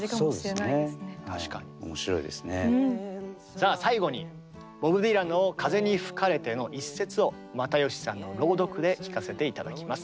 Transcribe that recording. さあ最後にボブ・ディランの「風に吹かれて」の一節を又吉さんの朗読で聴かせて頂きます。